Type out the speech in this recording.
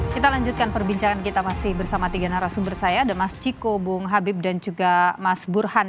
kita lanjutkan perbincangan kita masih bersama tiga narasumber saya ada mas ciko bung habib dan juga mas burhan